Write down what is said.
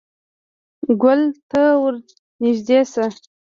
_ګول ته ور نږدې شه.